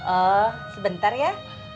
oh sebentar ya